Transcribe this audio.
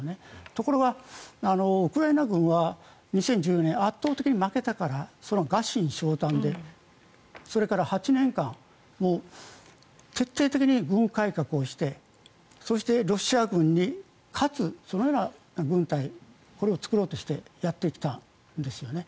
ところがウクライナ軍は２０１４年、圧倒的に負けたからその臥薪嘗胆でそれから８年間徹底的に軍改革をしてそして、ロシア軍に勝つそのような軍隊これを作ろうとしてやってきたんですよね。